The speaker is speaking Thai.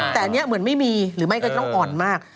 แต่อันนี้เหมือนไม่มีหรือไม่ก็จะต้องอ่อนมาก